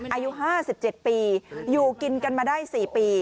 อายุ๕๗ปีอยู่กินกันมาได้๔ปี